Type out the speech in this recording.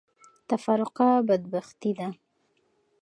تفرقه بدبختي ده.